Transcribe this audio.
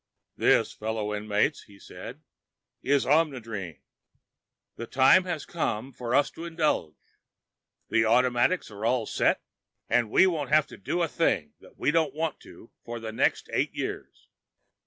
"This, fellow inmates," he said, "is Omnidrene. The time has come for us to indulge. The automatics are all set, we won't have to do a thing we don't want to for the next eight years."